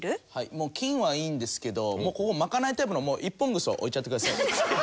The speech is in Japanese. もう金はいいんですけど巻かないタイプの一本糞を置いちゃってください。